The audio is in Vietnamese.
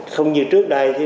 không như trước đây